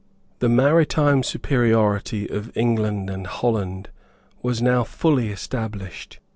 The maritime superiority of England and Holland was now fully established.